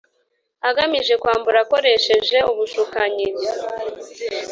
agamije kwambura akoresheje ubushukanyi